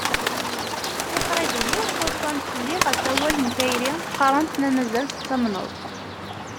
Tiqribin-iw ttaḍṣant felli ɣef wawal n tayri qqarent ma mazal tettamneḍ.